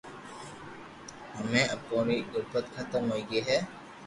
ھمي اپو ري غربت حتم ھوئي گئي ھي